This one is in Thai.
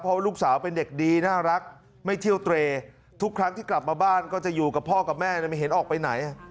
เพราะว่าลูกสาวเป็นเด็กดีน่ารักไม่เที่ยวเตรทุกครั้งที่กลับมาบ้านก็จะอยู่กับพ่อกับแม่ไม่เห็นออกไปไหน